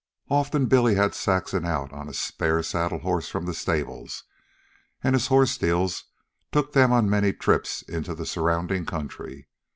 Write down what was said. Often Billy had Saxon out on spare saddle horses from the stable, and his horse deals took them on many trips into the surrounding country.